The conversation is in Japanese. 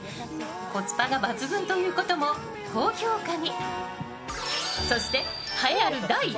コスパが抜群ということも高評価に。